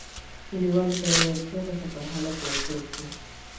کليوالو ته يې وويل، څو کسه پر هلک ور ټول شول،